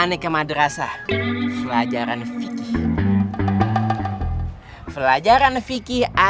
antum jangan diantai ya